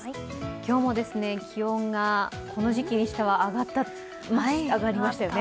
今日も気温がこの時期にしては上がりましたよね。